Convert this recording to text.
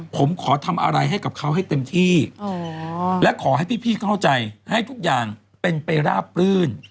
ผมขอทำอะไรให้กับเขาให้เต็มที่และขอให้พี่เข้าใจให้ทุกอย่างเป็นไปราบรื่น